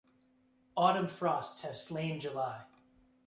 Autumn frosts have slain July.